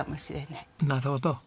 なるほど。